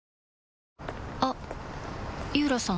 あっ井浦さん